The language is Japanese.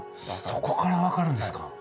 そこから分かるんですか。